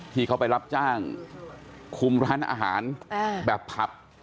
ที่เขาไปรับจ้างคุมร้านอาหารแบบผับ